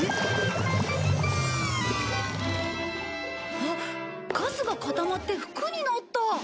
あっガスが固まって服になった！